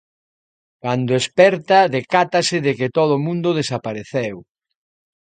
Cando esperta decátase de que todo o mundo desapareceu.